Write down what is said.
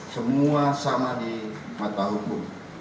semua sama di mata hukum